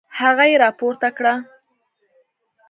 هغه يې راپورته کړه.